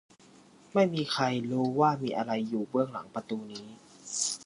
ไม่มีใครรู้ว่ามีอะไรอยู่เบื้องหลังประตูนี้